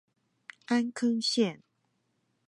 安坑線